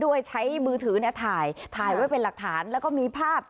ด้วยใช้มือถือเนี่ยถ่ายถ่ายไว้เป็นหลักฐานแล้วก็มีภาพ